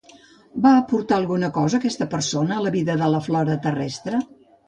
Va aportar alguna cosa aquesta persona a la vida de la flora terrestre?